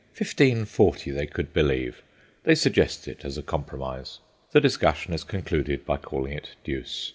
"Fifteen forty" they could believe; they suggest it as a compromise. The discussion is concluded by calling it deuce.